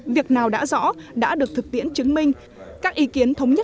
việc nào đã rõ đã được thực tiễn chứng minh các ý kiến thống nhất